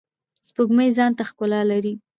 سپوږمۍ ځانته ښکلا لری.